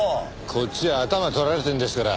こっちはアタマ捕られてんですから。